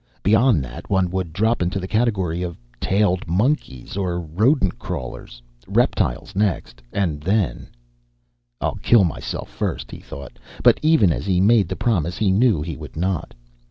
Beyond that, one would drop into the category of tailed monkeys, of rodent crawlers reptiles next, and then "I'll kill myself first," he thought, but even as he made the promise he knew he would not.